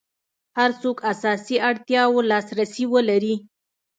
هر څوک اساسي اړتیاوو لاس رسي ولري.